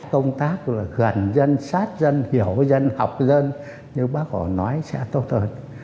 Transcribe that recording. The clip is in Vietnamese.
công tác gần dân sát dân hiểu dân học dân như bác họ nói sẽ tốt hơn